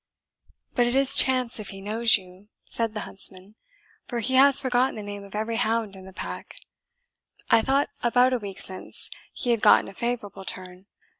"But it is chance if he knows you," said the huntsman, "for he has forgotten the name of every hound in the pack. I thought, about a week since, he had gotten a favourable turn.